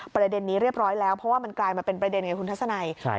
ประเด็นนี้เรียบร้อยแล้วเพราะว่ามันกลายมาเป็นประเด็นไงคุณทัศนัย